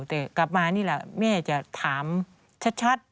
แต่กลับมานี่แหละแม่จะถามชัด